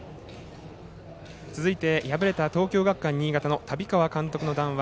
続いて、敗れた東京学館新潟の旅川監督の談話